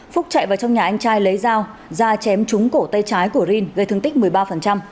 phúc chạy vào trong nhà anh trai lấy dao da chém trúng cổ tay trái của rin gây thương tích một mươi ba